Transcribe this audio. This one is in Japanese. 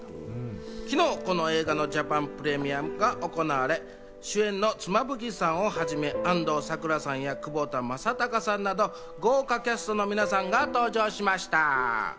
昨日この映画のジャパンプレミアが行われ、主演の妻夫木さんをはじめ、安藤サクラさんや窪田正孝さんなど、豪華キャストの皆さんが登場しました。